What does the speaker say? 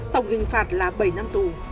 tổng hình phạt là bảy năm tù